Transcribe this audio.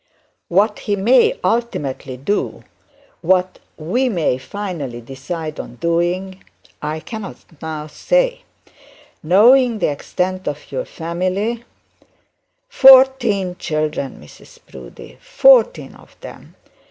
What he may ultimately do what we may finally decide on doing I cannot say. Knowing the extent of your family ' 'Fourteen children, Mrs Proudie, fourteen of them!